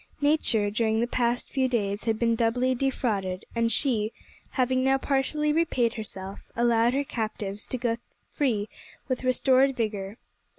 Nature, during the past few days, had been doubly defrauded, and she, having now partially repaid herself, allowed her captives to go free with restored vigour.